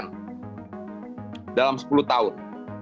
kenaikan harga bbm di sby itu sekitar lima puluh tahun